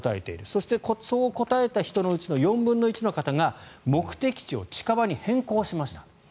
そして、そう答えた人のうちの４分の１の方が目的地を近場に変更しました。